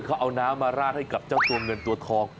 เขาเอาน้ำมาราดให้กับเจ้าตัวเงินตัวทอง